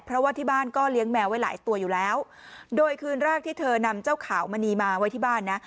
เพราะว่าที่บ้านก็เลี้ยงแมวไว้หลายตัวอยู่แล้วโดยคืนแรกที่เธอนำเจ้าขาวมณีมาไว้ที่บ้านนะ